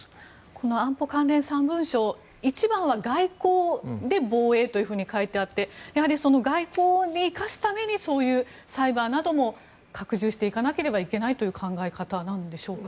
この安保関連３文書一番は外交で防衛と書いてあってやはり外交に生かすためにそういうサイバーなども拡充していかなければいけないという考え方なんでしょうか。